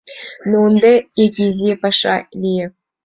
«Ну, ынде ик изи паша лие.